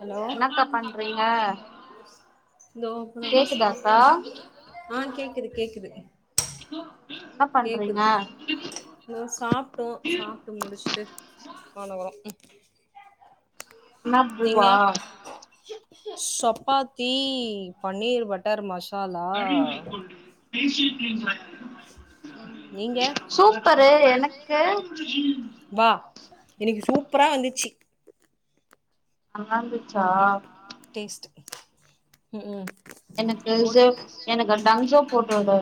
Hello என்னக்கா பண்றீங்க இதோ இப்ப தாமா கேக்குதாக்கா சாப்ட்டோ ஆ கேக்குது கேக்குது [unintelligible] கேக்குது பண்றீங்க ம் சாப்ட்டோ சாப் ட்டு முடிச்ட்டு மேல வரோ என்ன நீங்க பூவா சப்பாத்தி பன்னீர் பட் டர் மசாலா பேசிட்டிரிக்கீங்களா நீங்க சூப்பரு எனக்கு வா இன்னிக்கு சூப்பரா வந்துச்சு நல்லாருந்துச்சா டேஸ்ட் ம் ம் எனக்கு ஓட் ஸ்ஸொ எனக்கு டங்ஸும் போட்டுவுட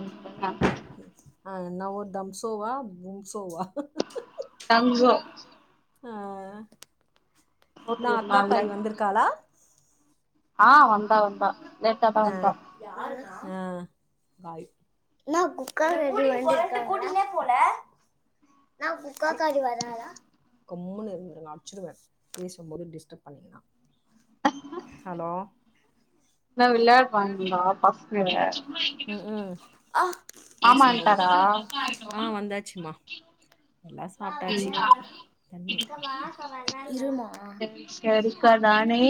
ஆ என்னா ஊர் தம்சோவா பும்சோவா டங்ஸோ ஆ போட்டு நா விடலால்ல அக்காக்காரி வந்திருக்காளா ஆ வந்தா வந்தா லேட்டா தா ஆ வந்தா ஆ பாய் கூட்டின் போறனட்டு கூட்டிட்னேபோல நா புக்காக்கடி வராடா கம்முனு இருந்துரு நா அச்சுருவ பேசும்போது டிஸ்டர்ப் பன்னினா ஹலோ என்னா விளையாட்வாங்களா பஸ்ங்க ஆ வன்ட்டாரா வந்தாச்சும்மா எல்லா சாப்ட்டாச்சு தண்ணி சரிக்கா நானே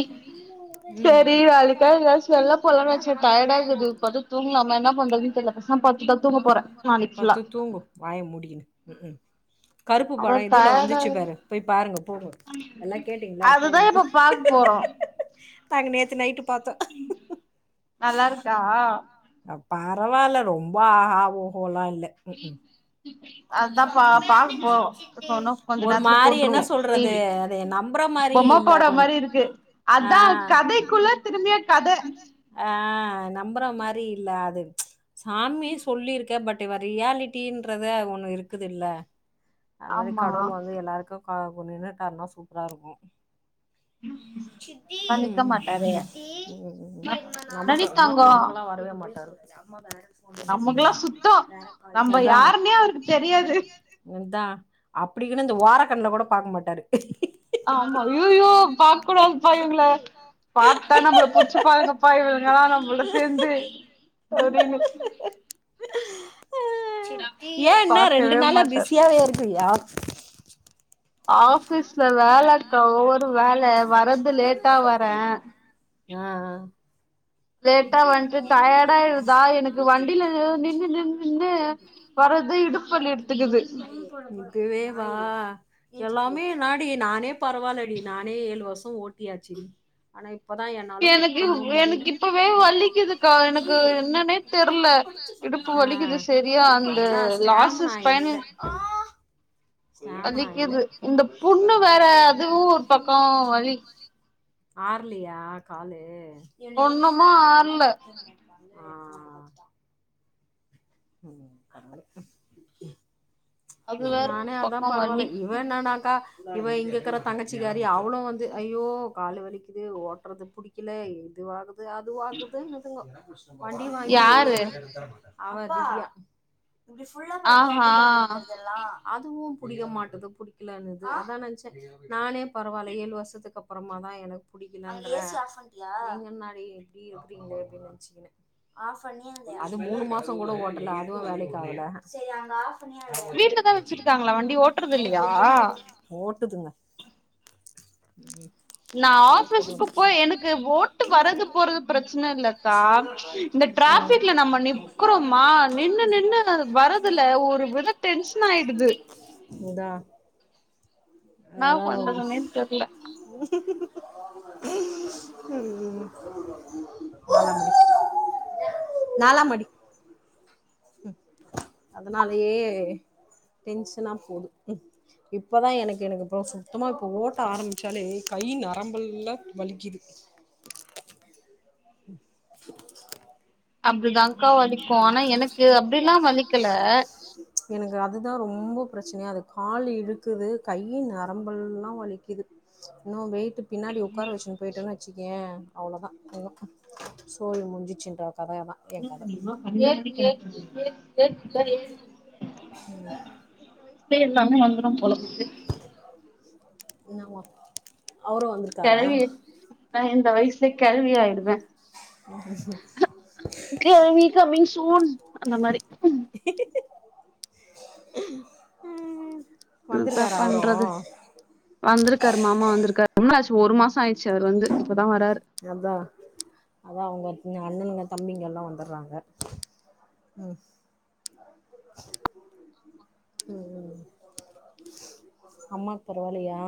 ம் எங்க்யாது எதாச் வெல்ல போலா வச்சன் டயர்டாருக்குது பட்த்து தூங்க்லாம என்னா பண்றதுன் தெர்ல பெசாம் பட்த்ததாதூங்க போறே நாளைக்ஃபுல்லா பத்து தூங்கு வாயமுடிகினு ம்ஹு க்ம் கருப்பு அதா படொ இதுல்ல டயர்டா வந்துச்சு பாரு போய் பாருங்க போங்க எல்லா கேட்டீங்களா அதுதா போங்க இப்ப பாக்க போறோ நாங்க நேத்து நைட்டுபாத்தோ நல்லாருக்கா பரவால்ல ரொம்ப ஆஹா ஓஹோலா இல்ல ம்ஹிக்ம் அத்தாப்பா பாக்க போறொ இன்னு கொஞ்ச ஒரு நேரத்துல மாதிரி என்ன போட்டுருவோ சொல்றது டிவி அதை நம்புற மாதிரி பொம்ம இல்லை படொ கொஞ்சம் மாரிருக்கு ஆஹ் ஆ நம்புற மாரிஇல்ல அது சாமி சொல்லிருக்க பட் இவ ரியாலிட்டன்றத ஒண்ணு இருக்குதுல்ல அதுமாரி ஆமா கடவுள் வந்து எல்லாருக்கு கா கொநின்னுட்டர்னா சூப்பராருக்கூ ம் ம் ம் பண் என்னடி நமக்கா இன்னு தங்கோ நமக்களா வர வரவே மாட்டாரு நமக்குல்லா ம். சுத்தொ நம்ப யாருன்னே அவருக்கு தெரியாது ந்தா அப்டிக்குனு இந்த ஓரக்கண்ணுல கூட பாக்கமாட்டாரு ஆம்மா ஐயியோ பாக்கூடாதுப்பா இவுங்குள பாத்தா நம்புள பூச்சி பாதுங்கப்பா இவுங்கல்லா நம்முள சேந்து அப்டின்னு ஏ என்னா ரெண்டு பாக்கவே நாளா மாட்டாரு பிசியாவே இருக்குக்கீரியா ஆபீஃஸ்ல வேலக்கா ஒவ்வொரு வேல வர்றது லேட்டா வர அ அ லேட்டா வந்துட்டு டயர்டாயிடுதா எனக்கு வண்டில நின்னு நின்னு நின்னு வர்றது இடுப்புவலி எடுத்துக்குது இப்பவேவா எல்லாமே என்னாடி நானே பரவால்லடி நானே ஏழுவர்ஷொ ஓட்டியாச்சு அனா இப்பதா என்னால சுத்தமா முடிய்ல இப்பே வலிக்குதுக்கா எனக்கு என்னனே தெர்ல இடுப்பு ஆ வலிக்குது செரியா அந்த லாஸ்ட்டு ஸ்பைனல் ஆ வலிக்குது இந்த புன்னு வேற அதுவு ஒர் பக்க வலிக் ஆர்லயா காலு ஒண்ணுமா ஆறல ஆ அது வேற ஒரு நானு அதா பக்கோ பரவால வலி வேனானாக்கா இவ இங்க இருக்கற தங்கச்சிகாரி அவ்ளு வந்து ஐயோ காலு வலிக்குது ஓட்றது புடிக்கல இதுவாகது து அது ஆகுதுன்னுதுங்கோ வண்டி வாங்கி ஒரு யாரு அவ ஆமா ஆஹா ங்ளா அதுவு புடிக்க மாட்டது புடிக்கலன்னது அதா நென்ச்சா நானே பரவால்ல ஏழு வருஷத்துக் அப் அப்பறமாதா எனக் புடிக்கலன்ற நீங்க என்னாடி இப்டி எப்டிங்களே அப்டின்னு நெனச்சுகின்ன அது மூணு மசோ கூட ஓட்டல அதுவு வேலைக்கு ஆகல வீட்லதா வச்சிருக்காங்களா வண்டி ஓட்டுறது இல்லையா [unintelligible] ஓட்டுதுங்க ம் நா ஆபீஸ்கு போய் எனக்கு ஓட்டு வர்ரது போறது பிரச்சன இல்ல கா இந்த டிராபிக்ல நம்ம நிப் க்றோமா நின்னு நின்னு வரதுல ஒரு வித டென்ஷன் ஆயிடுது அதா என்னா அதா பண்றதுன்னே தெர்ல ம் நாலா மடி அதனாலயே டென்ஷனா போது இப்பதா எனக்கு எனக்கு அப்றோ சுத்தமா இப்ப ஓட்ட ஆரம்பிச்சாலே கை நரம்பல்லா வலிக்கிது ம் அப்டிதாங் வலிக்கல [unintelligible] எனக்கு அதுதா ரொம்போ பிரச்சனயா இருக்கு கால் இழுக்குது கையி நரம்பெல்லா வலிக்கிது னோ வெய்ட்டு பின்னடி உக்காற வெச்சின் போயிட்டோன்னு வெச்சுக்கயே அவ்ளோதா இன்னு சோழி முடிஞ்சிச்சின்ற கதையதா எ கத [unintelligible] ம் வயசுலயே எல்லாமே வந்துரும் போல என்னவா அவரு வந்துரு கெழவி நா இந்த வயசுல கெளவி ஆயிடுவ கெழவி கமிங் சூன் அந்த மாரி என்னத்தா வந்திருக்காரா அவரு பண்றது வந்திருக்காரு மாமா வந்திருக்காரு ரொம்ப நாள் ஆச்சு ஒரு மாசோ ஆயிருச்சு அவரு வந்து இப்பதா வராரு அதா அதா அவங்க அண்ணனுங்க தம்பிங்க எல்லா வந்தர்றாங்க ம் ம் அம்மாக்கு பரவால்லயா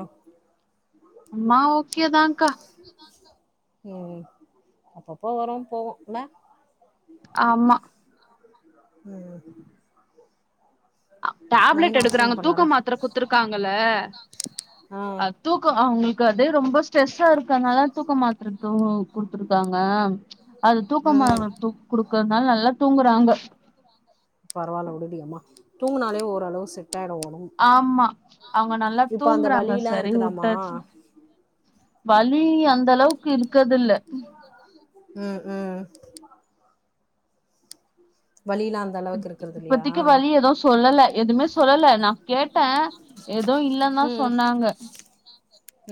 அம்மா ஓ கே தாங்கா ம் அப்பப்போ வரு போவு இல்ல ஆமா ம் டேப்லெட் நைனா எடுக்கறாங்க ஃபோன் தூக்க பண்ணாரா மாத்தர குத்துருக்காங்கள ஆ அ தூக்கோ அவுங்களுக்கு அதே ரொம்ப ஸ்ட்ரெஸ்ஸா இருக்கனால தூக்கோ மாத்ர தூங்கோ குடுத்துருக்காங்க அது தூக்கமா ம் து குடுக்கறதுனால நல்லா தூங்கறாங்கோ பரவால்ல விடுடியம்மா தூங்குனாலே ஓரளவு செட் ஆயிடு ஒடம் ஆமா அவுங்க நல்லா தூங்குறாங்க வலிலா சரின்னு இருக்குதாமா வுட்டாச்சி வலி அந்த அளவுக்கு இருக்கது இல்ல [inaudible] ம் ம் வலிலாந் இப் இப்பத்திகி வலி எதுவு சொல்லல எதுவுமே சொல்லல நா கேட்டே ஏது இல்லன் தா ம் சொன்னாங்க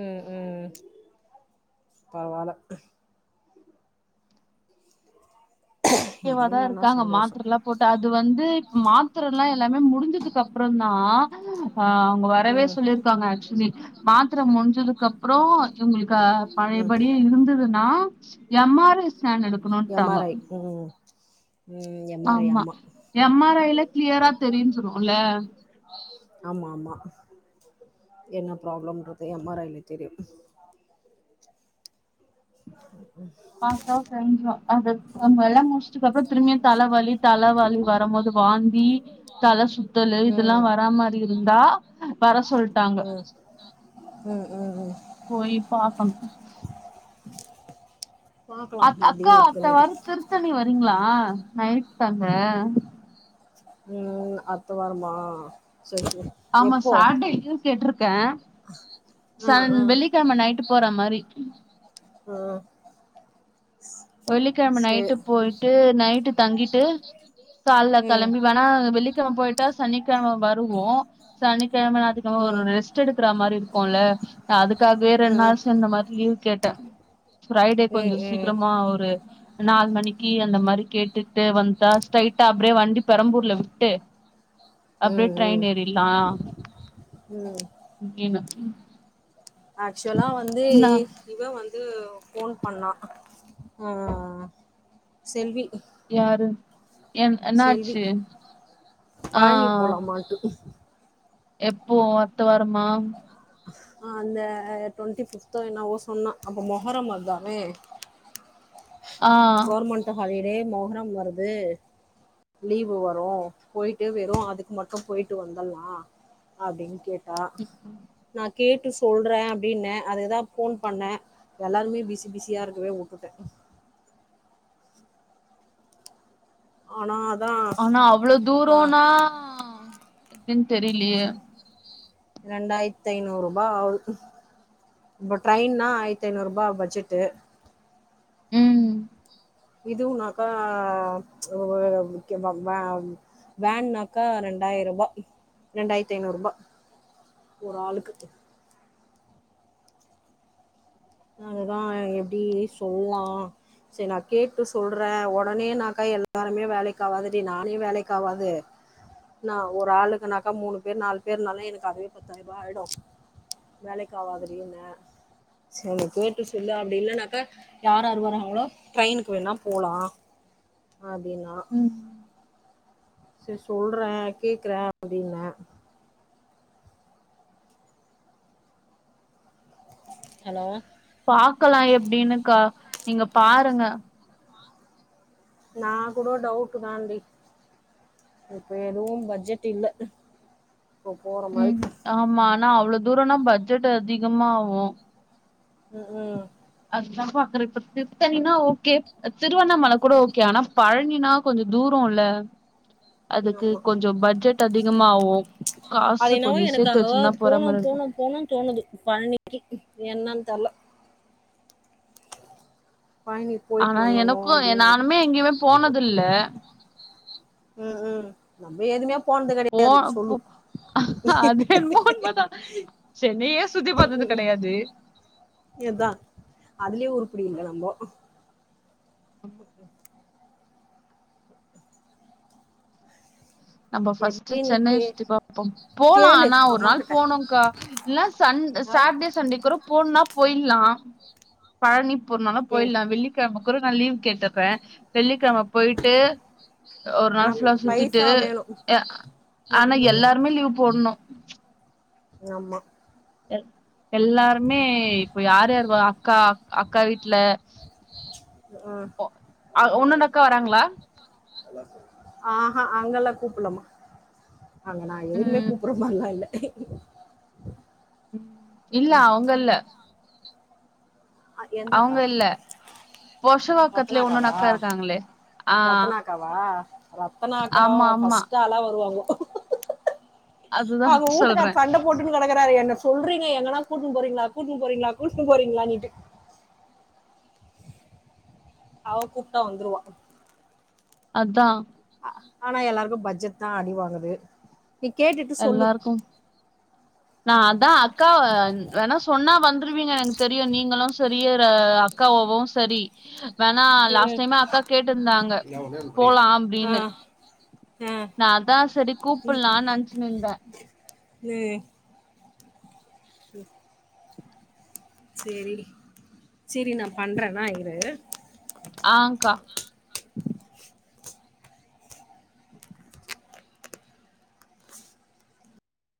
ம் ம் பரவால்ல [inaudible] ஆக்டிவாதா இல்லன்னா இருக்காங்க சந்தோஷோ மாத்தரல்லா போட்டு அது வந்து மாத்தர எல்லா எல்லாமே முடிஞ்சதுக்கு அப்புறந்தா ஆ அவுங்க வரவே ம் சொல்லியிருக்காங்க ஆக்சுவலி மாத்தர முடிஞ்சதுக்கு அப்றோ இவங்களுக்கு ம் பழயபடி இருந்ததுன்னா எம் ஆர் ஐ ஸ்கேண் எடுக்கணுடா எம் ஆர் ஐ ம் ம் ம் எ ஆமா எம் ஆர் ஐ ல க்ளியரா தெரியும்னு சொல்லுவோமல்ல ஆமா ஆமா என்ன ப்ராப்ளம்ன்றது எம் ஆர் ஐ ல தெரியு ம் [unintelligible] மல மடிச்சுதுக்கு அப்பறோ திரும்பியு தலவலி தலவலி வரும்போது வாந்தி தல சுத்தலு இதெல்லா ம் வரா மாரி இருந்தா வர சொல்ட்டாங்க ம் ம் ம் ம் போய் பாக்கணு பாக்கலா அ அக்கா எப்டியு அத்த இருக்குன்னுட்டு வார திருத்தணி வரீங்களா நைட்டு தங்க ம் அத்த வாரமா செரி செரி ஆமா சாட்டே லீவு கேட்டிருக்கே ஆ சன் ஆ வெள்ளிக்கெழம நைட்டு போற மாரி ஆ வெள்ளிக்கெழம சே நைட்டு போயிட்டு நைட்டு தங்கிட்டு கால ம் கெளம்பி வேணா வெள்ளிக்கெழம போயிட்டா சனிக்கெழம வருவோ சனிக்கெழம ஞாயித்துகெழமா ஒரு ம் ம் ரெஸ்ட் எடுக்கற மாரி இருக்கும்ல நா அதுக்காகவே ரெண்டு ம் நாள் சேந்த மாரி லீவு கேட்டே ஃரைடே கொஞ்ச ம் சீக்கிரமா ஒரு நாலு மணிக்கு அந்த மாரி கேட்டுட்டு வந்தா ஸ்ட்ரைடா அப்டியே வண்டி பெரம்பூர்ல விட்டு ஆ அப்பே டிரைன் எரில ம் [unintelligible] ஆக்சுவலா வந்து நா இவ வந்து போன் பண்ணா ம் செல்வி யாரு என் செல்வி என்னாச்சு ஆ ஆட்டுக்கும் எப்போ அத்த வாரமா அந்த டொன்ட்டி பிப்தோ என்னவோ சொன்னா அப்ப மொகரம் வருதாமே ஆ கவுர்மெண்ட் ஹாலிடே மொகரம் வருது லீவு வரும் போயிட்டு வெறும் அதுக்கு மட்டும் போயிட்டு வந்தட்லா அப்டின்னு கேட்டா ம் ம் நா கேட்டு சொல்றே அப்டின்னே அதுக்குதா ஃபோன் பண்ணே எல்லாருமே பிசி பிசியா இருக்கவே உட்டுட்டே ஆனா அத்தா ஆனா அவ்ளோ தூரோன்னா எப்டின்னு தெரிலயே ரெண்டாயிரத்தி ஐநூறு ரூபா ஆவுது இப்ப ட்ரெயின்னா ஆயிரத்தி ஐநூறு ரூபா பட்ஜெட்டு உம் இதுவுனக்கா [unintelligible] வேன்னாக்கா ரெண்டாயிரூபா ரெண்டாயிரத்தி ஐந்நூற்ரூபா ஒரு ஆளுக்கு அததா எப்டி சொல்லா சேரி நா கேட்டு சொல்றே உடனேனாக்கா எல்லாருமே வேலைக்காவாதுடி நானே வேலைக்காவாது ன்னா ஒரு ஆளுக்குனாக்கா மூனு பேரு நாலு பேருனாலு எனக்கு அதுவே பத்தாயிரரூபா ஆயிடும் வேலைக்கு ஆவாதுடி ன்ன சேரி நீ கேட்டு சொல்லு அப்படி இல்லன்னாக்கா யாராரு வராங்களோ ட்ரெயினுக்கு வேணா போலா அப்டின்னா ம் சேர் சொல்றே கேக்குறே அப்டின்ன ஹலோ பாக்கலா எப்டின்னுக்கா நீங்க பாருங்க நா கூட டவுட் தான் டி இப்ப எதுவும் பட்ஜெட் இல்ல இப்போ போற மாறி ம் ஆமா ஆனா அவ்ளோ தூரோன்னா பட்ஜெட் அதிகமா ஆவும் ம் ம் அத்தா பாக்குறே இப்ப திருத்தணினா ஓக்கே திருவண்ணாமலைக்கூட ஓக்கே ஆனா பழனினா கொஞ்சோ தூரம் இல்ல [unintelligible] அதுக்கு கொஞ்சோ பட்ஜெட் அதிகமா ஆவும் அது என்னவோ எனக்கு அங்க போணு இருக்கு போணு போணுன்னு தோணுது பழனிக்கு என்னன் தெர்ல பழனி போயிட்டு ஆனா வந்தர்லா எனக்கு அப்படின்னு இருக்கு நானுமே எங்கேயுமே போனதில்ல [unintelligible] ம் ம் நம்ப எதுவுமே போனது போ கெடையாது போ சொல்லு அது என்னமோ உண்மைதா சென்னையே சுத்தி பாத்தது கெடயாது எத்தா அதுலயே உருப்பிடி இல்ல நம்போ [unintelligible] நம்ப ஃபர்ஸ்ட்டு எப்டின்னு சென்னைய கே சுத்தி பாப்பம் போலா கேளு ஆனா ஒரு அம்மா நாள் கிட்ட போணுங்க்கா இல்னா சன்ட் ஆ சேட்ர்டே சன்டேக் கூட போணுன்னா போயிட்லா பழனி போறதுனாலு எங் போயிட்லா வெள்ளிக் கெழம கூட நா லீவ் கேட்டுற்றே வெள்ளிக்கெழம போயிட்டு ஒரு ஆனா நாள் ஃபுல்லா சுத்திட்டு பைசா வேணு எ ஆனா ம் ம் எல்லாருமே லீவ் போட்ணு ஆமா எ எல்லாருமே இப்போ யார் யார் வ அக்கா அக்கா வீட்ல ம் ஒ அ உன்னோட அக்கா வராங்களா ஆ ஹா அங்கல்லா கூப்பல்லமா அங்க நா எதுமே ம் கூப் அப்புறோமல்லா இல்ல இல்ல அவங்கல்ல அத் எந்தக்கா பொரஷிவாக்கத்திலே இன்னொன் ரத்னாக்காவா அக்கா இருக்காங்களே ஆ ரத்னாக்காவா ரத்னாக்கா ஆமா ஆமா ஃபர்ஸ்ட்டு ஆளா வருவாங்க அதுதா அவுங் வூட்டுக்கார் சொல்றே சண்ட போட் டுன் கெடக்கறாரு என்ன சொல்றீங்க எங்கனா கூட்டுன் போறீங்களா கூட்டுன் போறீங்களா கூட்டுன் போறீங்களானீட்டு அவ கூப்ட்டா வந்துருவா அதா அ ஆனா எல்லாருக்கு பட்ஜெட்தா அடிவாங்குது நீ கேட்டுட்டு சொல்லு எல்லாருக்கு நா அதா அக்கா வேணா சொன்னா வந்துருவீங்க என தெரியு நீங்களு செரி அ அக்காவாவு செரி வேணா ம், லாஸ்ட் ம். டைமே அக்கா கேட்டிருந்தாங்க போலா ஆ அப்டின்னு ஆ நா அதா செரி கூப்பிட்லான் நெனச்சுன்ருந்தே ஏ [inaudible] சேரி டி சேரி நா பண்றேன்னா இரு ஆங்கா